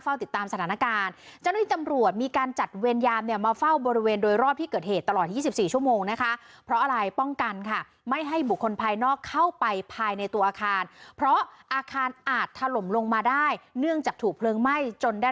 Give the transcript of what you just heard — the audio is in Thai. เฝ้าติดตามสถานการณ์เจ้าหน้าที่จำรวจมีการจัดวิญญาณ